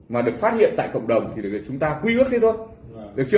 mà được phát hiện tại cộng đồng thì được chúng ta quy ước thế thôi được chưa